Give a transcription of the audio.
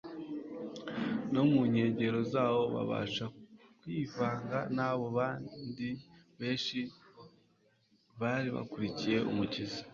no mu nkengero zawo babasha kwivanga n'abo banhi benshi bari baktirikiye Umukiza.